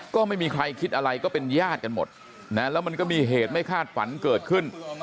ก็ไม่มีใครคิดอะไรก็เป็นญาติกันหมดนะแล้วมันก็มีเหตุไม่คาดฝันเกิดขึ้น